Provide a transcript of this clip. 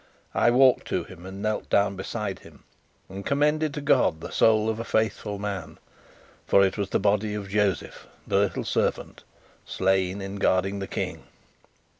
I walked to him and knelt down beside him, and commended to God the soul of a faithful man. For it was the body of Josef, the little servant, slain in guarding the King.